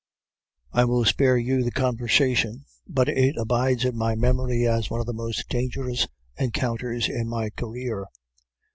"I will spare you the conversation, but it abides in my memory as one of the most dangerous encounters in my career.